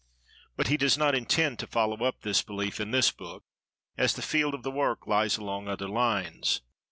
But he does not intend to follow up this belief, in this book, as the field of the work lies along other lines.